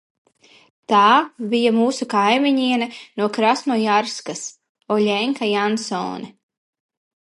Tā bija mūsu kaimiņiene no Krasnojarskas – Oļeņka Jansone.